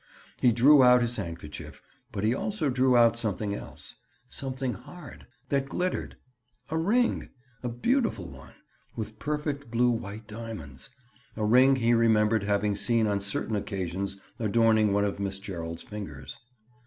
He drew out his handkerchief, but he also drew out something else—something hard—that glittered a ring—a beautiful one—with perfect blue white diamonds—a ring he remembered having seen on certain occasions adorning one of Miss Gerald's fingers.